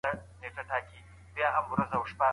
ده د کورنۍ ارزښتونه د ټولنې بنسټ باله.